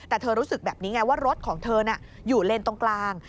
แต่เธอรู้สึกแบบนี้ไงว่ารถของเธอน่ะอยู่เลนตรงกลาง